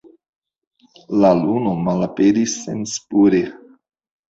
La luno malaperis senspure.